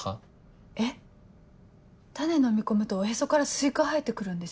種のみ込むとおへそからスイカ生えて来るんですよ。